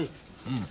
うん。